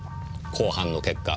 公判の結果